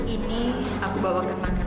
ini aku bawakan makan yang buat kamu